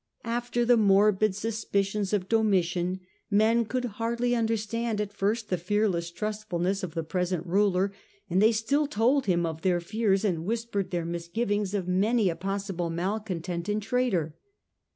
After the morbid suspicions of Domitian men could hardly understand at first the fearless trustfulness of the present ruler, and they still told him of their fears and whispered their misgivings of many a possible malcontent and traitor.